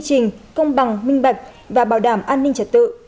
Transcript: trình công bằng minh bạch và bảo đảm an ninh trật tự